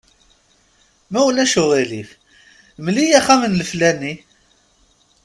Ma ulac aɣilif, mel-iyi axxam n leflani.